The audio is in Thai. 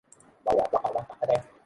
บ้านเมืองนี้